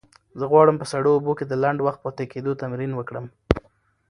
زه غواړم په سړو اوبو کې د لنډ وخت پاتې کېدو تمرین وکړم.